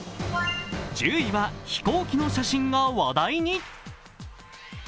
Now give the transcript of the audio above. １０位は飛行機の写真が話題に。